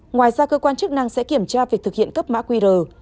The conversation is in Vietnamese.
ngoài ra cơ quan chức năng sẽ kiểm tra việc thực hiện cấp mã qr